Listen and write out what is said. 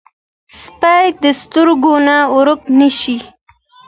سپي د سترګو نه ورک نه شي.